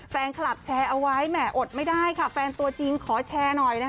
แฟนคลับแชร์เอาไว้แหมอดไม่ได้ค่ะแฟนตัวจริงขอแชร์หน่อยนะคะ